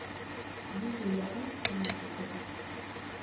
Ни һөйләһәң, шуны ишетерһең.